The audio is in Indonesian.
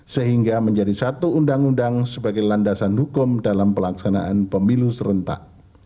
sehingga menjadi satu undang undang sebagai landasan hukum dalam pelaksanaan pemilu serentak